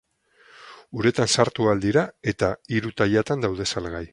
Uretan sartu ahal dira eta hiru tailatan daude salgai.